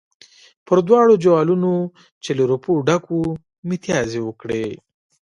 پر دواړو جوالونو چې له روپو ډک وو متیازې وکړې.